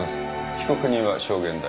被告人は証言台へ。